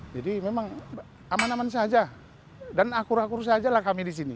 jadi memang aman aman saja dan akur akur saja lah kami di sini